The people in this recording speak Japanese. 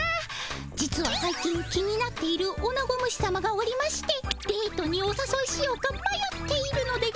実は最近気になっているオナゴ虫さまがおりましてデートにおさそいしようかまよっているのでございます。